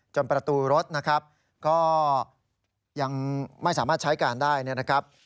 ประตูรถนะครับก็ยังไม่สามารถใช้การได้นะครับ